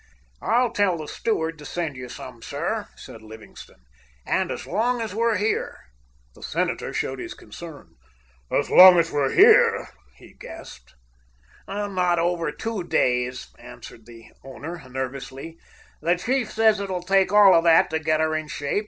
"I'll tell the steward to send you some, sir," said Livingstone, "and as long as we're here." The senator showed his concern. "As long as we're here?" he gasped. "Not over two days," answered the owner nervously. "The chief says it will take all of that to get her in shape.